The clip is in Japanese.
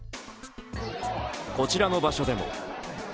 こちらの場所でも。